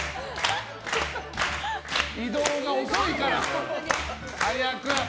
移動が遅いから！早く！